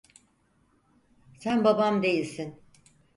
Sen babam değilsin.